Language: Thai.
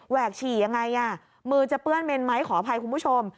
กฉี่ยังไงมือจะเปื้อนเมนไหมขออภัยคุณผู้ชม